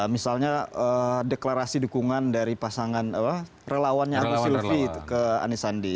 misalnya deklarasi dukungan dari pasangan relawannya agus sylvi ke ani sandi